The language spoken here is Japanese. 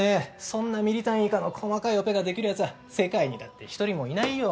そんなミリ単位以下の細かいオペが出来る奴は世界にだって１人もいないよ。